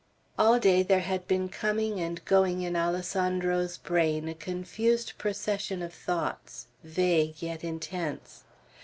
All day there had been coming and going in Alessandro's brain a confused procession of thoughts, vague yet intense.